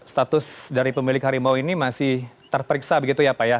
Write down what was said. status dari pemilik harimau ini masih terperiksa begitu ya pak ya